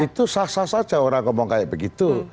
itu sah sah saja orang ngomong kayak begitu